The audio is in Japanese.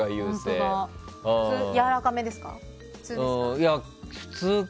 やわらかめですか？